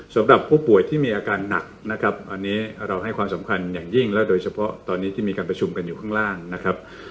สำหรับผู้ป่วยที่มีอาการหนักนะครับอันนี้เราให้ความสำคัญอย่างยิ่งแล้วโดยเฉพาะตอนนี้ที่มีการประชุมกันอยู่ข้างล่างนะครับ